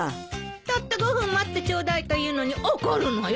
たった５分待ってちょうだいというのに怒るのよ。